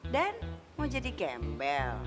dan mau jadi gembel